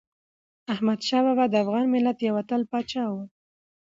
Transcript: احمدشاه بابا د افغان ملت یو اتل پاچا و.